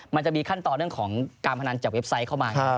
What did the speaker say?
มันจะมีขั้นตอนเรื่องของการพนันจากเว็บไซต์เข้ามา